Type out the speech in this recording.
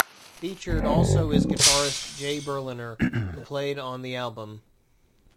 Featured also is guitarist Jay Berliner, who played on the album.